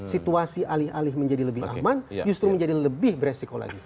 situasi alih alih menjadi lebih aman justru menjadi lebih beresiko lagi